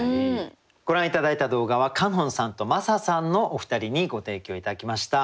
ご覧頂いた動画はｃａｎｏｎさんとＭａｓａさんのお二人にご提供頂きました。